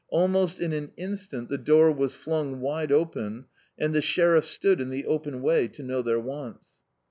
Almost in an instant the door was flung wide open, and the sheriff stood in the open way to know their wants.